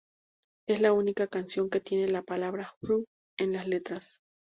Es la única canción que tiene la palabra "fuck" en las letras.